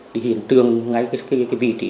thì hiện trường ngay cái vị trí